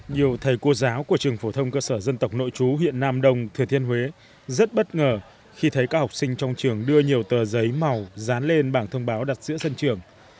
nhiều thầy cô giáo của trường phổ thông cơ sở dân tộc nội chú huyện nam đông thừa thiên huế rất bất ngờ khi thấy các học sinh trong trường đưa nhiều tờ giấy màu dán lên bảng thông báo đặt giữa sân trường